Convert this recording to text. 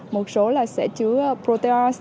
một số là sẽ chứa protease